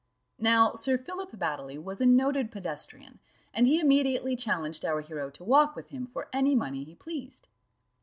Now Sir Philip Baddely was a noted pedestrian, and he immediately challenged our hero to walk with him for any money he pleased.